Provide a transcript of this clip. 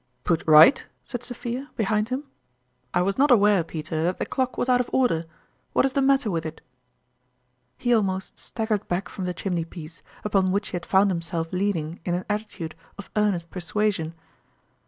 ... "Put right?" said Sophia, behind him. " I was not aware, Peter, that the clock JJctiobic Elratxrings. 101 was out of order. What is the matter with it?" He almost staggered back from the chimney piece, upon which he had found himself lean ing in an attitude of earnest persuasion.